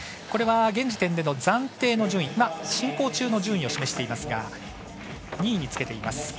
これは現時点での暫定の順位進行中の順位を示していますが２位につけています。